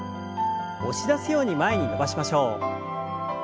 押し出すように前に伸ばしましょう。